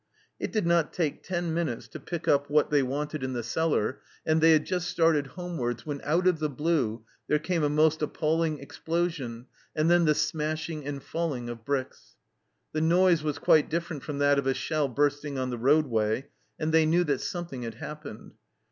It did not take ten minutes to pick up what 198 THE CELLAR HOUSE OF PERVYSE they wanted in the cellar, and they had just started homewards when " out of the blue " there came a most appalling explosion and then the smashing and falling of bricks. The noise was quite different from that of a shell bursting on the roadway, and they knew that something had happened.